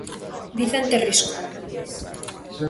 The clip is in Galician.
Vicente Risco.